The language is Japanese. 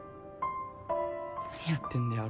何やってんだよ